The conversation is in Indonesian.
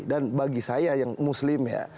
dan bagi saya yang muslim ya